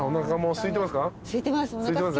すいてます。